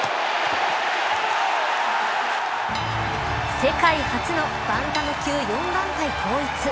世界初のバンタム級４団体統一。